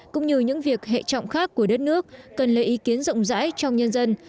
cũng như những việc hệ trọng khác của đất nước cần lấy ý kiến rộng rãi trong nhân dân